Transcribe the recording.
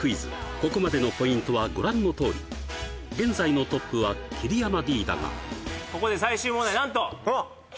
ここまでのポイントはご覧のとおり現在のトップは桐山Ｄだがここでやった！